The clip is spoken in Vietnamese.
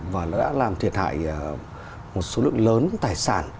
và nó đã làm thiệt hại một số lượng lớn tài sản